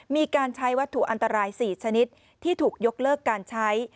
มีการใช้วัตถุอันตราย๔ชนิดที่ถูกยกเลิกการใช้